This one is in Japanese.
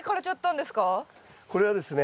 これはですね